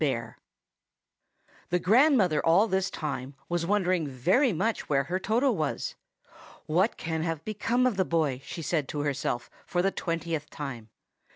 CHAPTER XII. THE grandmother all this time was wondering very much where her Toto was. "What can have become of the boy?" she said to herself for the twentieth time.